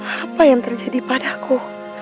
apa yang terjadi padaku